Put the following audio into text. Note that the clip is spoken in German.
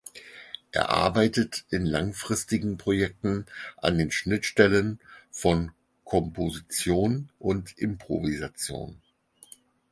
Er arbeitet in langfristigen Projekten an den Schnittstellen von Komposition und Improvisation.